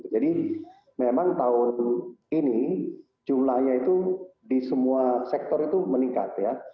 jadi memang tahun ini jumlahnya itu di semua sektor itu meningkat